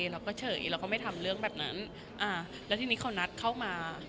เราก็เฉยเราก็ไม่ทำเรื่องแบบนั้นอ่าแล้วทีนี้เขานัดเข้ามา